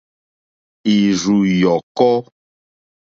Ìrzù yɔ̀kɔ́.